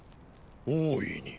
大いに。